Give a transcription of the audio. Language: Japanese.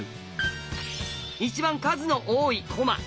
一番数の多い駒。